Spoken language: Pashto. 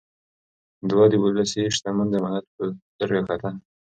ده د ولس شتمني د امانت په سترګه کتل.